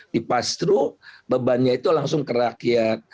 dipastru bebannya itu langsung ke rakyat